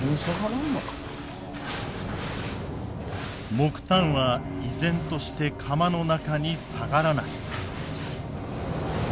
木炭は依然として釜の中に下がらない。